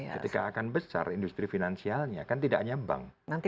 ketika akan besar industri finansialnya kan tidak hanya bank